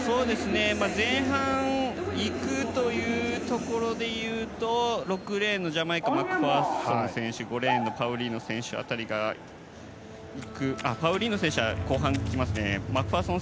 前半いくというところでいうと６レーンのジャマイカマクファーソン選手５レーンのパウリーノ選手は後半きますね。